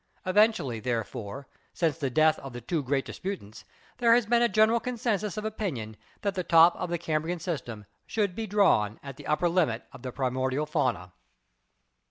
Eventually, therefore, since the death of the two great disputants, there has been a general consensus of opinion that the top of the Cambrian system should be drawn at the upper limit of the Primordial fauna.